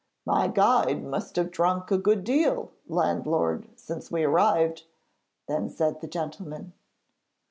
'My guide must have drunk a good deal, landlord, since we arrived,' then said the gentleman.